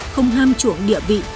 không ham chuộng địa vị